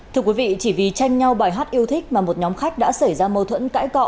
thưa quý vị chỉ vì tranh nhau bài hát yêu thích mà một nhóm khách đã xảy ra mâu thuẫn cãi cọ